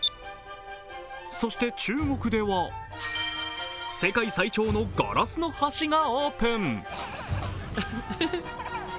そして中国では、世界最長のガラスの橋がオープン。